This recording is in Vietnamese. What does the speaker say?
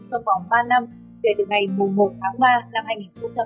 trong vòng ba năm kể từ ngày một tháng ba năm hai nghìn hai mươi